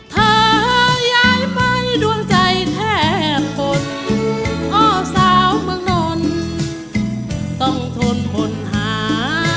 เธอย้ายไปดวงใจแทบฝนอ้อสาวเมืองนนต้องทนทนหา